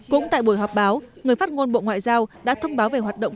cũng tại buổi họp báo người phát ngôn bộ ngoại giao đã thông báo về hoạt động